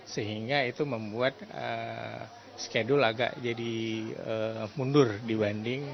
sehingga itu membuat schedule agak jadi mundur dibanding